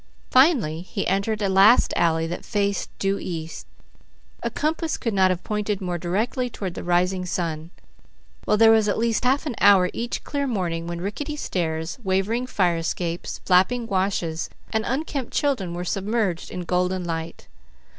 Finally he entered a last alley that faced due east. A compass could not have pointed more directly toward the rising sun; while there was at least half an hour each clear morning when rickety stairs, wavering fire escapes, flapping washes, and unkept children were submerged in golden light.